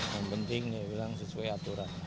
yang penting dia bilang sesuai aturan